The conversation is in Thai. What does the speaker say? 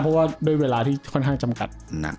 เพราะว่าด้วยเวลาที่ค่อนข้างจำกัดหนัก